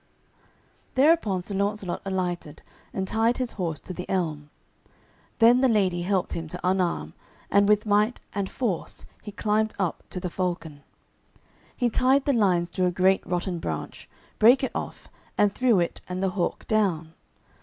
Thereupon Sir Launcelot alighted, and tied his horse to the elm. Then the lady helped him to unarm, and with might and force he climbed up to the falcon. He tied the lines to a great rotten branch, brake it off, and threw it and the hawk down.